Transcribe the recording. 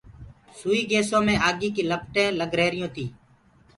سئي گيسو مي آگيٚ ڪيٚ لپٽينٚ لگ رهيريونٚ تي۔